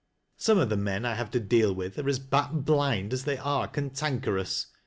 Some of the men 1 have to deal with are as bat blind as they are cantankerous.